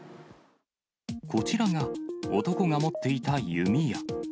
こちらが男が持っていた弓矢。